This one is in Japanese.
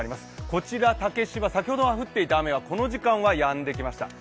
こちら竹芝、先ほど降っていた雨はこの時間はやんできました。